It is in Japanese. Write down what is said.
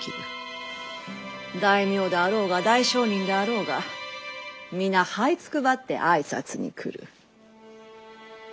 大名であろうが大商人であろうが皆はいつくばって挨拶に来る。